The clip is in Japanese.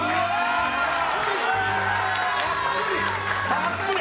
たっぷり！